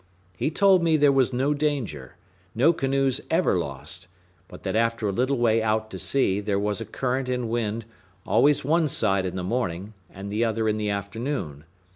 He told me there was no danger, no canoes ever lost: but that after a little way out to sea, there was a current and wind, always one way in the morning, the other in the afternoon.